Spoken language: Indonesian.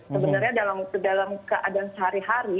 sebenarnya dalam keadaan sehari hari